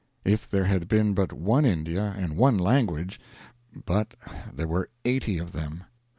If there had been but one India and one language but there were eighty of them!